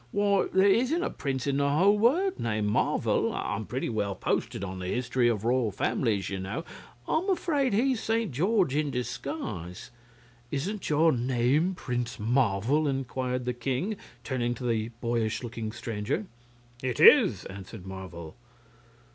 "Why, there isn't a prince in the whole world named Marvel! I'm pretty well posted on the history of royal families, you know. I'm afraid he's Saint George in disguise." "Isn't your name Prince Marvel?" inquired the king, turning to the boyish looking stranger. "It is," answered Marvel.